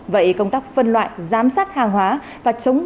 vậy công tác phân loại giám sát hàng hóa và chống